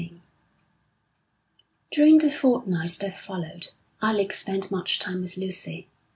VI During the fortnight that followed, Alec spent much time with Lucy.